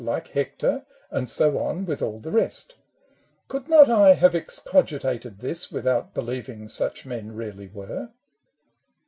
Like Hector, and so on with all the rest. Could not I have excogitated this Without believing such men really were